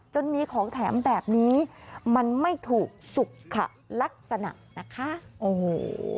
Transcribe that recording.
มีของแถมแบบนี้มันไม่ถูกสุขลักษณะนะคะโอ้โห